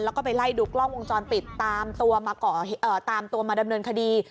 แล้วก็ไปไล่ดูกร่องมงจรปิดตามตัวมาเกราะตามตัวมาดำเนินคดี